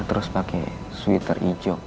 terus pake sweater hijau